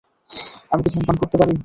আমি কি ধূমপান করতে পারি?